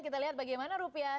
kita lihat bagaimana rupiah